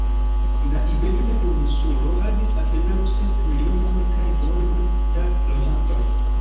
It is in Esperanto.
La Iberia Duoninsulo havis apenaŭ sep milionojn kaj duonon da loĝantoj.